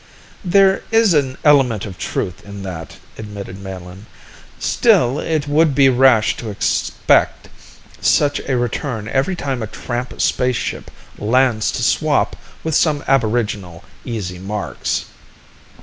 "There is an element of truth in that," admitted Melin. "Still, it would be rash to expect such a return every time a tramp spaceship lands to swap with some aboriginal easy marks."